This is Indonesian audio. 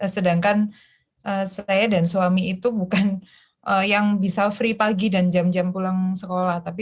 sedangkan saya dan suami itu bukan yang bisa free pagi dan jam jam pulang sekolah